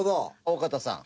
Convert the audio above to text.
大片さん